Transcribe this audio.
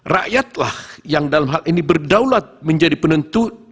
rakyatlah yang dalam hal ini berdaulat menjadi penentu